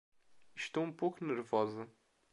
Estou um pouco nervosa